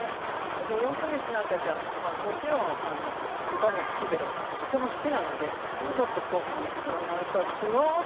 ４か月の赤ちゃんはもちろん歌も好きでとっても好きなのでちょっとこういうふうにやってもらうとすごくうれしくなっちゃうんですね。